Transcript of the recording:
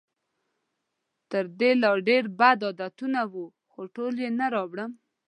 تر دې لا ډېر بد عادتونه وو، خو ټول یې نه راوړم.